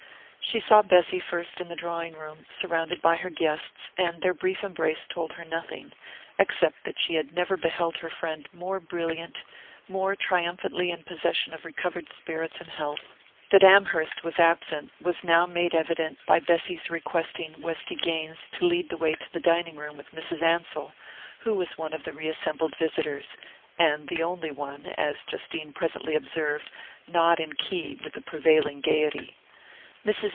She saw Bessy first in the drawing room, surrounded by her guests; and their brief embrace told her nothing, except that she had never beheld her friend more brilliant, more triumphantly in possession of recovered spirits and health. That Amherst was absent was now made evident by Bessy's requesting Westy Gaines to lead the way to the dining room with Mrs. Ansell, who was one of the reassembled visitors; and the only one, as Justine presently observed, not in key with the prevailing gaiety. Mrs.